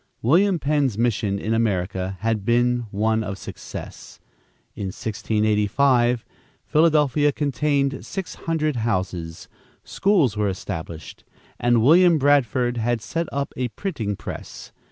William Penn's mission in America had been one of success. In 1685, Philadelphia contained six hundred houses; schools were established, and William Bradford had set up a printing press.